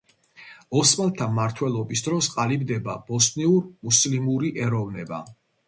ოსმალთა მმართველობის დროს ყალიბდება ბოსნიურ–მუსლიმური ეროვნება.